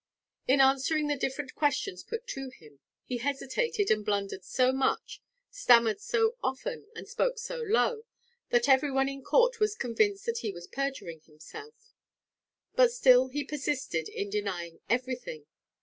In answering the different questions put to him, he hesitated and blundered so much stammered so often, and spoke so low, that every one in court was convinced that he was perjuring himself; but still he persisted in denying everything.